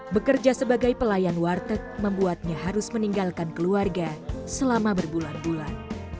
bekerja sebagai pelayan warteg membuatnya harus meninggalkan keluarga selama berbulan bulan